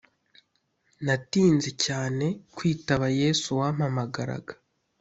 Natinze cyane kwitaba yesu wampamagaraga